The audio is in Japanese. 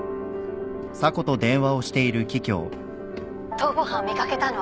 逃亡犯を見掛けたの。